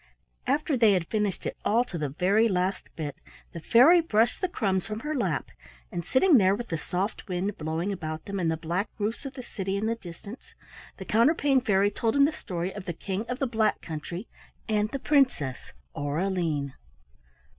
After they had finished it all to the very last bit, the fairy brushed the crumbs from her lap, and, sitting there with the soft wind blowing about them and the black roofs of the city in the distance, the Counterpane Fairy told him the story of the King of the Black Country and the Princess Aureline.